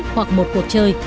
hoặc một cuộc chơi